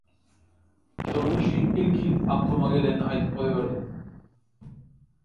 Şonuň üçin, ilki akylyma gelenini aýdyp goýberdim.